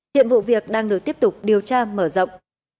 hiện vụ việc đang được tiếp tục điều tra mở rộng